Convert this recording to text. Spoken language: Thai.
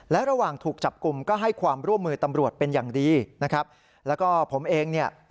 และระหว่างถูกจับกลุ่มก็ให้ความร่วมมือตำรวจเป็นอย่างดีนะครับแล้วก็ผมเองเนี่ย